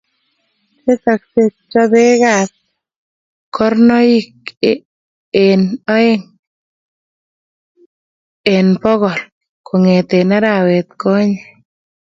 tesoksei chobekab karnoik eng oeng fng bokol kong'ete arawetkonye